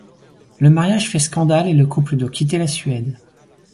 Le mariage fait scandale et le couple doit quitter la Suède.